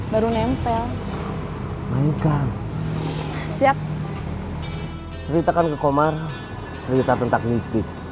beritakan ke komar cerita tentang nitik